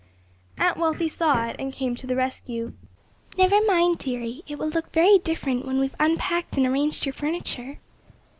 Aunt Wealthy saw it and came to the rescue. "Never mind, dearie; it will look very different when we have unpacked and arranged your furniture.